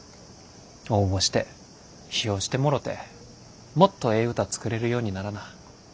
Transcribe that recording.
応募して批評してもろてもっとええ歌作れるようにならな。